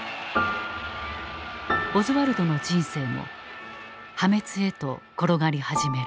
オズワルドの人生も破滅へと転がり始める。